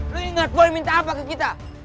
lo inget gue minta apa ke kita